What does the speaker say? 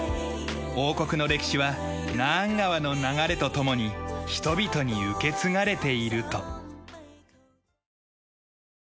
王国の歴史はナーン川の流れと共に人々に受け継がれていると。